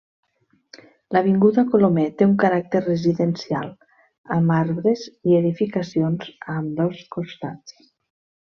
L'avinguda Colomer té un caràcter residencial, amb arbres i edificacions a ambdós costats.